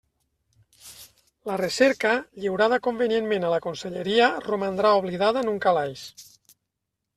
La recerca, lliurada convenientment a la Conselleria, romandrà oblidada en un calaix.